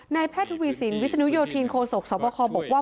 ในแพทย์ทวีสิงห์วิสนุยทีนโคศกสวพคอบอกว่า